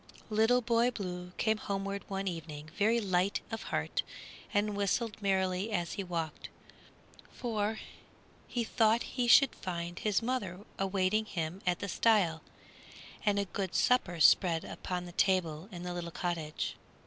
Little Boy Blue came homeward one evening very light of heart and whistled merrily as he walked, for he thought he should find his mother awaiting him at the stile and a good supper spread upon the table in the little cottage.